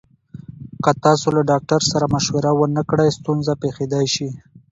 که تاسو له ډاکټر سره مشوره ونکړئ، ستونزه پېښېدای شي.